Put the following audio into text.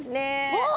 あっ！